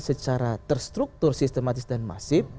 secara terstruktur sistematis dan masif